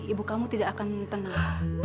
ibu kamu tidak akan tenang